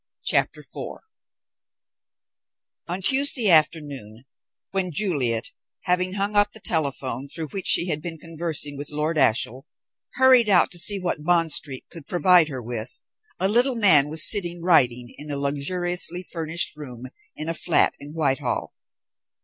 CHAPTER IV On Tuesday afternoon, when Juliet, having hung up the telephone through which she had been conversing with Lord Ashiel, hurried out to see what Bond Street could provide her with, a little man was sitting writing in a luxuriously furnished room in a flat in Whitehall.